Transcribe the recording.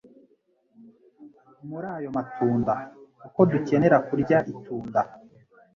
muri ayo matunda. Uko dukenera kurya itunda